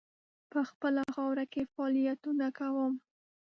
په خپله خاوره کې فعالیتونه کوم.